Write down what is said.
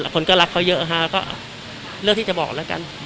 คนก็รักเขาเยอะฮะก็เลือกที่จะบอกแล้วกัน